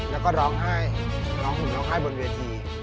แล้วก็ร้องไห้ร้องห่มร้องไห้บนเวที